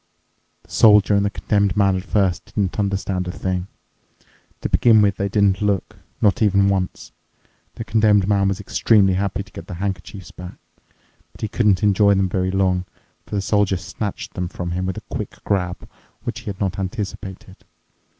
The Soldier and the Condemned Man at first didn't understand a thing. To begin with they didn't look, not even once. The Condemned Man was extremely happy to get the handkerchiefs back, but he couldn't enjoy them very long, for the Soldier snatched them from him with a quick grab, which he had not anticipated.